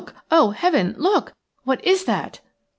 – oh, Heaven, look! What is that?"